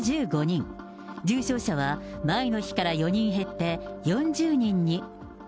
重症者は前の日から４人減って４０人に。